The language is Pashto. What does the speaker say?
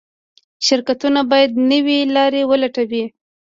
شرکتونه باید نوې لارې ولټوي.